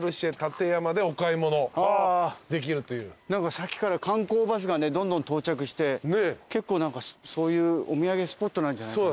さっきから観光バスがどんどん到着して結構何かそういうお土産スポットなんじゃないかな。